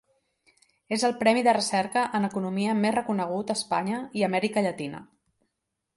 És el premi de recerca en economia més reconegut a Espanya i Amèrica Llatina.